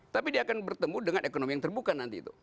tapi dia akan bertemu dengan ekonomi yang terbuka nanti itu